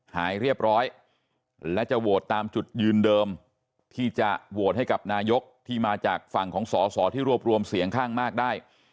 หายเรียบร้อยและจะโหวตตามจุดยืนเดิมที่จะโหวตให้กับนายกที่มาจากฝั่งของสอสอที่รวบรวมเสียงข้างมากได้